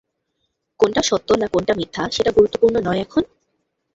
কোনটা সত্য না কোনটা মিথ্যা সেটা গুরুত্বপূর্ণ নয় এখন?